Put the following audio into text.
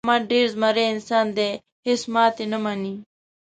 احمد ډېر زمری انسان دی. هېڅ ماتې نه مني.